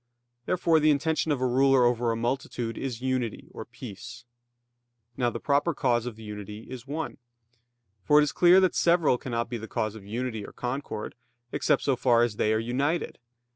Therefore the intention of a ruler over a multitude is unity, or peace. Now the proper cause of unity is one. For it is clear that several cannot be the cause of unity or concord, except so far as they are united.